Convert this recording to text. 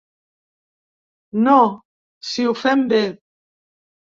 No, si ho fem bé.